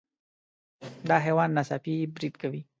دا حیوان ناڅاپي برید کوي.